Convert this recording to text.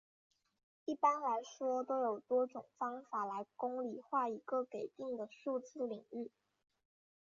一般来说都有多种方法来公理化一个给定的数学领域。